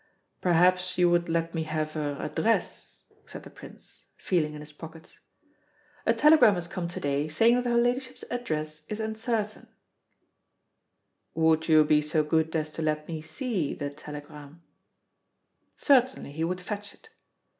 "Perhaps you would let me have her address," said the Prince, feeling in his pockets. "A telegram has come to day, saying that her ladyship's address is uncertain," replied the caretaker. "Would you be so good as to let me see the telegram?" Certainly, he would fetch it.